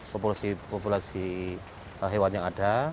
populasi hewan yang ada